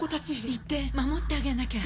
行って守ってあげなきゃ。